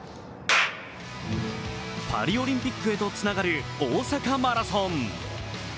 パリオリンピックへとつながる大阪マラソン。